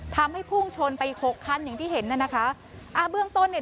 พุ่งชนไปอีกหกคันอย่างที่เห็นน่ะนะคะอ่าเบื้องต้นเนี่ย